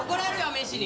メッシに。